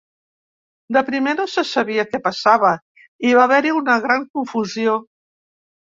De primer, no se sabia què passava i va haver-hi una gran confusió.